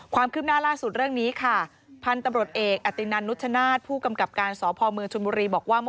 ความคืบหน้าล่าสุดเรื่องนี้ค่ะพันธุ์ตำรวจเอกอตินันนุชชนาธิ์ผู้กำกับการสพเมืองชนบุรีบอกว่า